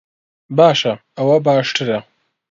باشە، ئەوە باشترە؟